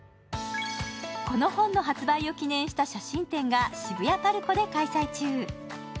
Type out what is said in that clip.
この本の発売を記念した写真展が渋谷ＰＡＲＣＯで開催中。